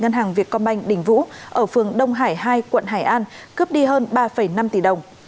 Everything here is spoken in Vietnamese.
ngân hàng việt công banh đình vũ ở phường đông hải hai quận hải an cướp đi hơn ba năm tỷ đồng